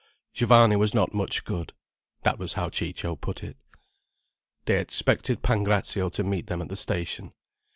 Giovanni was not much good. That was how Ciccio put it. They expected Pancrazio to meet them at the station.